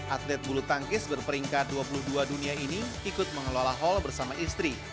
atlet bulu tangkis berperingkat dua puluh dua dunia ini ikut mengelola hall bersama istri